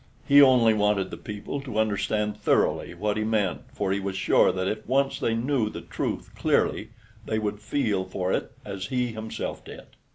He only wanted the people to understand thoroughly what he meant, for he was sure that if once they knew the truth clearly they would feel for it as he himself did.